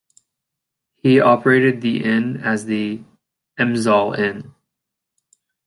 He operated the inn as the 'Elmsall Inn'.